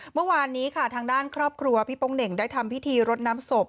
เมื่อวานนี้ค่ะทางด้านครอบครัวพี่โป๊งเหน่งได้ทำพิธีรดน้ำศพ